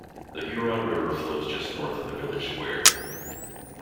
The Huron River flows just north of the village square.